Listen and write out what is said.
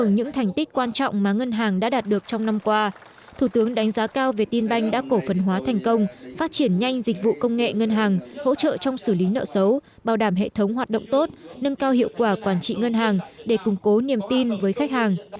những thành tích quan trọng mà ngân hàng đã đạt được trong năm qua thủ tướng đánh giá cao việt tin banh đã cổ phần hóa thành công phát triển nhanh dịch vụ công nghệ ngân hàng hỗ trợ trong xử lý nợ xấu bảo đảm hệ thống hoạt động tốt nâng cao hiệu quả quản trị ngân hàng để củng cố niềm tin với khách hàng